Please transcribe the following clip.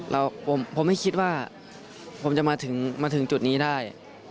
เราผมไม่คิดว่าผมจะมาถึงจุดนี้ได้